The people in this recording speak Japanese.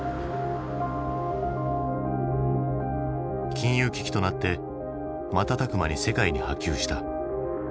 金融危機となって瞬く間に世界に波及した。